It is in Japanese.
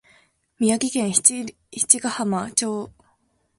宮城県七ヶ浜町